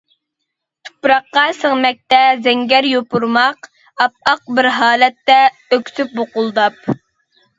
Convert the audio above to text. تۇپراققا سىڭمەكتە زەڭگەر يوپۇرماق، ئاپئاق بىر ھالەتتە ئۆكسۈپ بۇقۇلداپ.